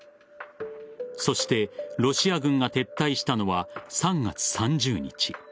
そしてロシア軍が撤退したのは３月３０日。